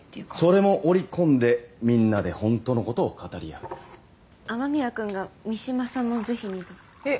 それも織り込んでみんなで本当のことを語り合う雨宮君が三島さんもぜひにとえっ？